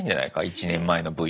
１年前のＶと。